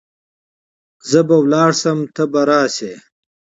زه به ولاړ سم ته به راسي .